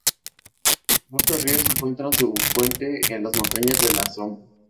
Muchos ríos encuentran su fuente en las Montañas de la Sombra.